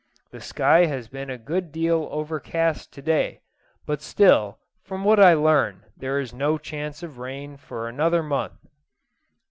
The sky has been a good deal overcast to day; but still, from what I learn, there is no chance of rain for another month.